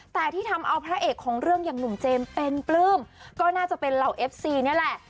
แต่ที่ทำเอาพระเอกของเรื่องอย่างหนุ่มเจมส์เป็นปลื้มก็น่าจะเป็นเหล่าเอฟซีนี่แหละ